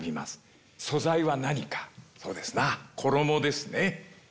「衣」ですね。